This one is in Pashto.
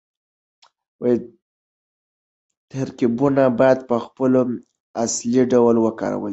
ترکيبونه بايد په خپل اصلي ډول وکارول شي.